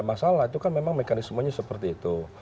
masalah itu kan memang mekanismenya seperti itu